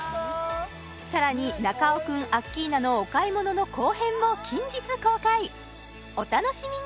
さらに中尾君アッキーナのお買い物の後編も近日公開お楽しみに！